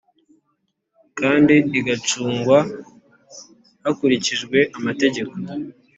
kandi igacungwa hakurikijwe amategeko